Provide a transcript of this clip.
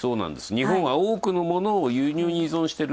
日本は多くのものを輸入に依存している。